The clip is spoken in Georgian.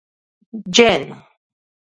ჯეწ